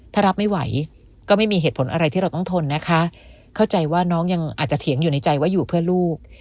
ถ้ารับไม่ไหวก็ไม่มีเหตุผลอะไรที่เราต้องทนนะคะเข้าใจว่าน้องยังอาจจะเถียงอยู่ในใจว่าอยู่เพื่อลูก